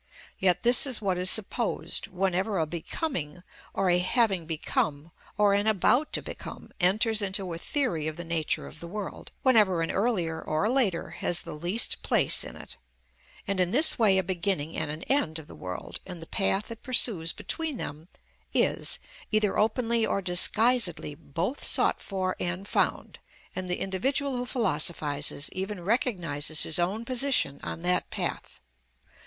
Yet this is what is supposed whenever a "becoming," or a "having become," or an "about to become" enters into a theory of the nature of the world, whenever an earlier or a later has the least place in it; and in this way a beginning and an end of the world, and the path it pursues between them, is, either openly or disguisedly, both sought for and found, and the individual who philosophises even recognises his own position on that path.